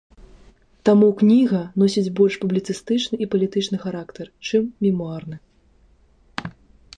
Таму кніга носіць больш публіцыстычны і палітычны характар, чым мемуарны.